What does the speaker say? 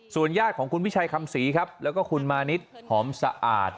ญาติของคุณวิชัยคำศรีครับแล้วก็คุณมานิดหอมสะอาด